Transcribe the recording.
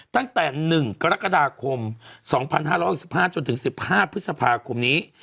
ตั้งแต่๑กรกฎาคม๒๕๖๕จนถึง๑๕พฤษภาคมนี้